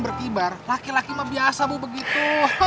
berkibar laki laki mah biasa bu begitu